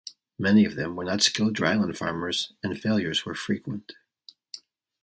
Many of them were not skilled dryland farmers and failures were frequent.